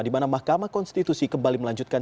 di mana mahkamah konstitusi kembali melanjutkan